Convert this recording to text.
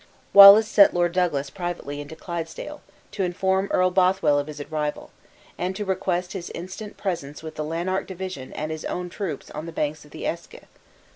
Wallace sent Lord Douglas privately into Clydesdale, to inform Earl Bothwell of his arrival, and to request his instant presence with the Lanark division and his own troops on the banks of the Eske.